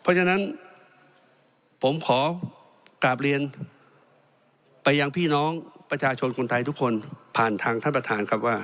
เพราะฉะนั้นผมขอกราบเรียนไปยังพี่น้องประชาชนคนไทยทุกคนผ่านทางท่านประธานครับว่า